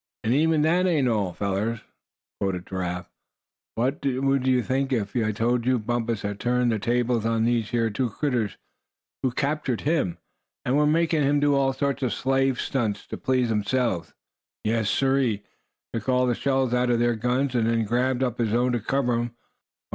"And even that ain't all, fellers," quoth Giraffe, "what would you think now if I told you Bumpus had turned the tables on these here two critters who'd captured him, and were makin' him do all sorts of slave stunts to please themselves? Yes siree, took all the shells out of their guns, and then grabbed up his own to cover 'em.